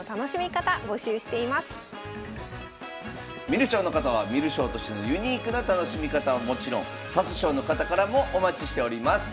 観る将の方は観る将としてのユニークな楽しみ方はもちろん指す将の方からもお待ちしております。